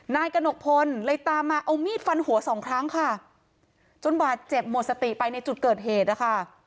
นายกระหนกพลเลยตามมาเอามีดฟันหัวสองครั้งค่ะจนบาดเจ็บหมดสติไปในจุดเกิดเหตุนะคะ